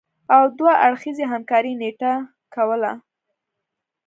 او دوه اړخیزې همکارۍ نټه کوله